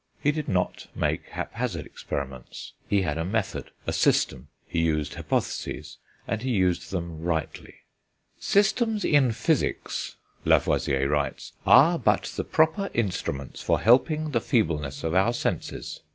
He did not make haphazard experiments; he had a method, a system; he used hypotheses, and he used them rightly. "Systems in physics," Lavoisier writes, "are but the proper instruments for helping the feebleness of our senses.